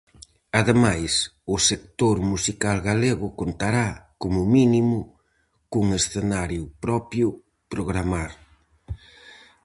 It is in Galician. Ademais, o sector musical galego contará, como mínimo, cun escenario propio programar.